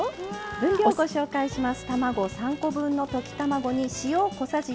分量をご紹介します。